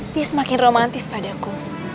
dia semakin romantis padaku